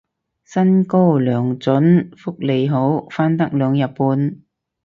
薪高糧準福利好返得兩日半